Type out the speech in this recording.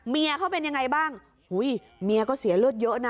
เมียเขาเป็นยังไงบ้างอุ้ยเมียก็เสียเลือดเยอะนะ